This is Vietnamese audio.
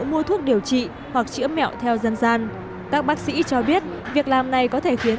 mua thuốc điều trị hoặc chữa mẹo theo dân gian các bác sĩ cho biết việc làm này có thể khiến